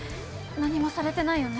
何もされてないよね？